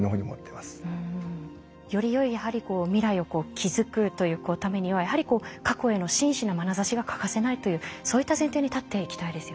よりよい未来を築くというためにはやはり過去への真摯なまなざしが欠かせないというそういった前提に立っていきたいですよね。